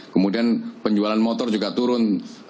kemudian penjualan motor juga turun tujuh delapan